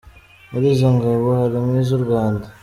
Muri izo ngabo harimo iz’u Rwanda.